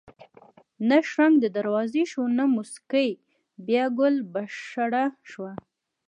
نه شرنګ د دروازې شو نه موسکۍ بیا ګل بشره شوه